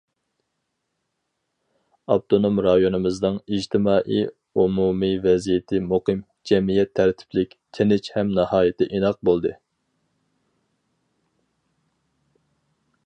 ئاپتونوم رايونىمىزنىڭ ئىجتىمائىي ئومۇمىي ۋەزىيىتى مۇقىم، جەمئىيەت تەرتىپلىك، تىنچ ھەم ناھايىتى ئىناق بولدى.